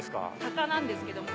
タカなんですけども。